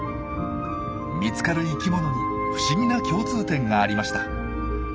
見つかる生きものに不思議な共通点がありました。